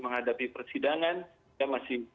menghadapi persidangan kita masih